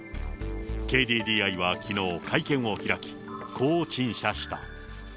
ＫＤＤＩはきのう会見を開き、こう陳謝した。